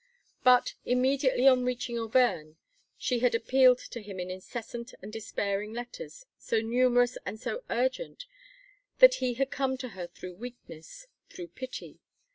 But, immediately on reaching Auvergne, she had appealed to him in incessant and despairing letters so numerous and so urgent that he had come to her through weakness, through pity.